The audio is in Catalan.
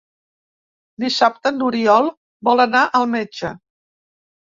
Dissabte n'Oriol vol anar al metge.